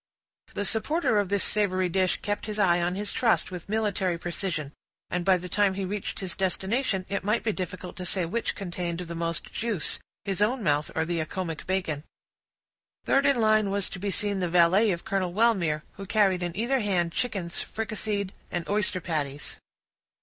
The supporter of this savory dish kept his eye on his trust with military precision; and by the time he reached his destination, it might be difficult to say which contained the most juice, his own mouth or the Accomac bacon. Third in the line was to be seen the valet of Colonel Wellmere, who carried in either hand chickens fricasseed and oyster patties.